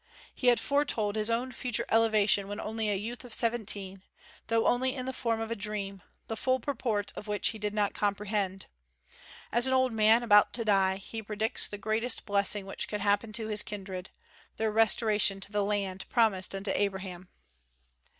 He had foretold his own future elevation when only a youth of seventeen, though only in the form of a dream, the full purport of which he did not comprehend; as an old man, about to die, he predicts the greatest blessing which could happen to his kindred, their restoration to the land promised unto Abraham.